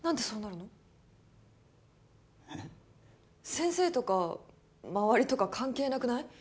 先生とか周りとか関係なくない？